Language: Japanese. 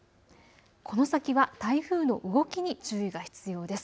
この先は台風の動きに注意が必要です。